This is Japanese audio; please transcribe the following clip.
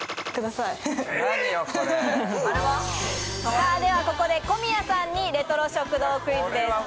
さぁではここで小宮さんにレトロ食堂クイズです。